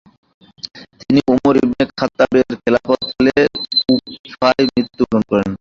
তিনি ওমর ইবনে খাত্তাবের খেলাফতকালে কূফায় মৃত্যু বরণ করেন।